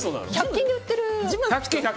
１００均で売ってる？